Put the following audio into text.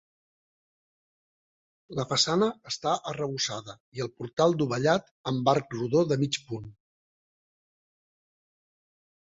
La façana està arrebossada i el portal dovellat amb arc rodó de mig punt.